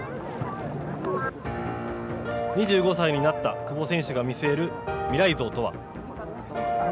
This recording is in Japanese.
２５歳になった久保選手が見据える未来像とは。